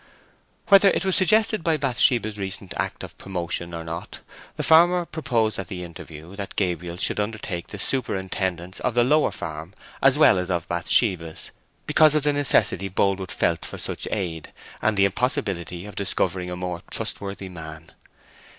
Whether it was suggested by Bathsheba's recent act of promotion or not, the farmer proposed at the interview that Gabriel should undertake the superintendence of the Lower Farm as well as of Bathsheba's, because of the necessity Boldwood felt for such aid, and the impossibility of discovering a more trustworthy man.